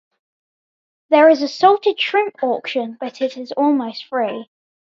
There is a salted shrimp auction, but it is almost free.